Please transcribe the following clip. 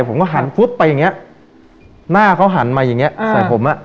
ผมก็หันปุ๊บไปอย่างเงี้ยหน้าเขาหันมาอย่างเงี้ใส่ผมอ่ะ